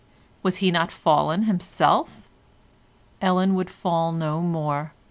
Was he not fallen himself? Ellen would fall no more.